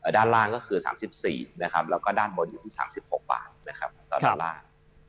ด้านล่างก็คือ๓๔บาทแล้วก็ด้านบนอยู่ที่๓๖บาท